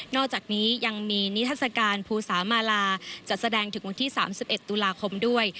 อกจากนี้ยังมีนิทัศกาลภูสามาลาจัดแสดงถึงวันที่๓๑ตุลาคมด้วย